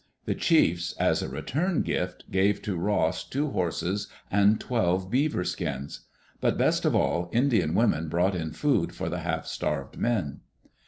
The chiefs, as a return gift, gave to Ross two horses and twelve beaver skins. But best of all, Indian women brought in food for the half starved men.